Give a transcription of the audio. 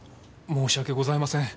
申し訳ございません。